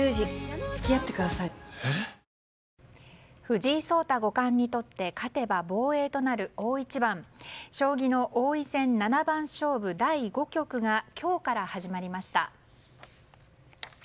藤井聡太五冠にとって勝てば防衛となる大一番将棋の王位戦七番勝負第５局が今日から始まりました。